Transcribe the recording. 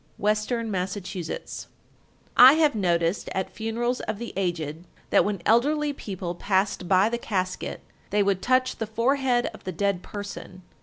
Western Massachusetts. 1247. "I have noticed at funerals of the aged, that when elderly people passed by the casket they would touch the forehead of the dead person.